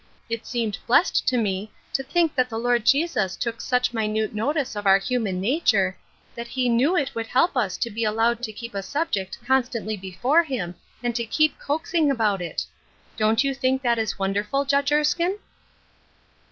It seemed blessed to me to think that the Lord Jesus took such minute notice of our human nature that he knew it would help u» to be a] A Cross of Lead, 66 lowed to keep a subject constantly before him, and to keep coaxing about it. Don't you think that is wonderful, Judge Ersldne